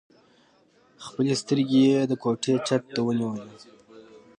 خپلې سترګې يې د کوټې چت ته ونيولې.